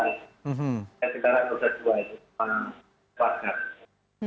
naik kendaraan sudah dua ya keluarga